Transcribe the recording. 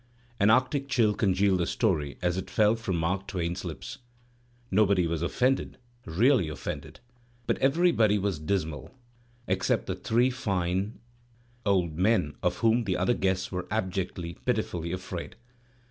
An arctic chill congealed the story as it fell from Mark Twain*s lips. Nobody was offended, really offended, but everybody was dismal, except the three fine old men of whom the other guests were abjectly, pitifully afraid.